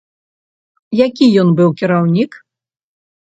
Які ён быў кіраўнік?